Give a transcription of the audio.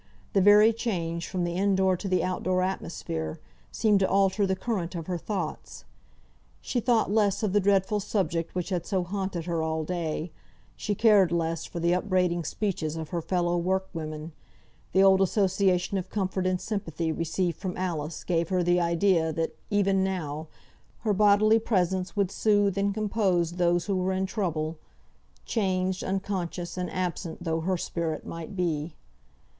The very change, from the in door to the out door atmosphere, seemed to alter the current of her thoughts. She thought less of the dreadful subject which had so haunted her all day; she cared less for the upbraiding speeches of her fellow work women; the old association of comfort and sympathy received from Alice gave her the idea that, even now, her bodily presence would soothe and compose those who were in trouble, changed, unconscious, and absent though her spirit might be.